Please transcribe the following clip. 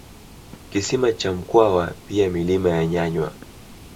Kisima cha Mkwawa pia milima ya Nyanywa